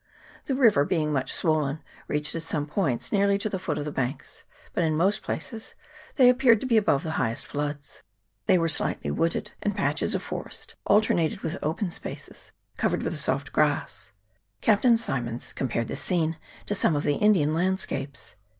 The river, being much swollen, reached at some points nearly to the foot of the banks, but in most places they appeared to be above the highest floods. They were slightly wooded, and patches of forest alternated with open spaces covered with a soft grass. Captain Symonds compared the scene to some of the Indian landscapes.